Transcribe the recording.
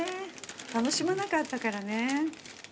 楽しまなかったからね。